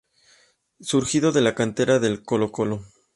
Surgido de la cantera de Colo-Colo.